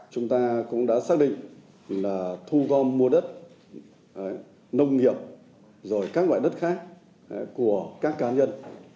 chúng ta cũng đã xác định là thu gom mua đất nông nghiệp rồi các loại đất khác của các cá nhân